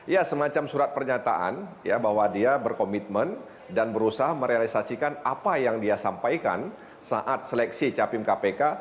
ya semacam surat pernyataan ya bahwa dia berkomitmen dan berusaha merealisasikan apa yang dia sampaikan saat seleksi capim kpk